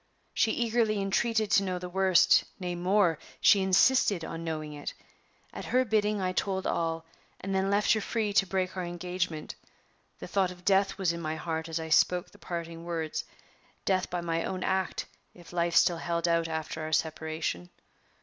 She eagerly entreated to know the worst nay, more, she insisted on knowing it. At her bidding I told all, and then left her free to break our engagement. The thought of death was in my heart as I spoke the parting words death by my own act, if life still held out after our separation.